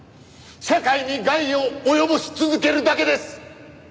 社会に害を及ぼし続けるだけです！